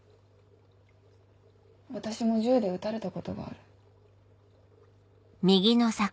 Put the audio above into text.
私も銃で撃たれたことがある。